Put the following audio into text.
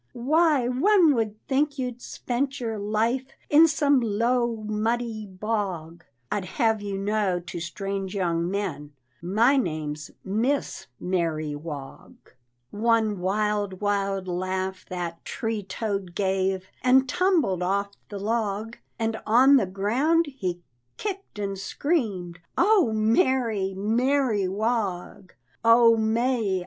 "Why, one would think you'd spent your life In some low, muddy bog. I'd have you know to strange young men My name's Miss Mary Wog." One wild, wild laugh that tree toad gave, And tumbled off the log, And on the ground he kicked and screamed, "Oh, Mary, Mary Wog. Oh, May!